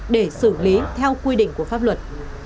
để xử lý theo quy định của pháp luật